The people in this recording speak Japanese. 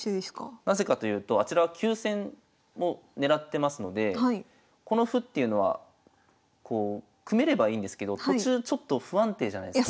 なぜかというとあちらは急戦を狙ってますのでこの歩っていうのはこう組めればいいんですけど途中ちょっと不安定じゃないすか。